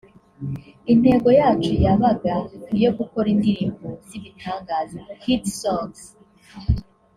Intego yacu yabaga iyo gukora indirimbo z’ibitangaza (Hit songs)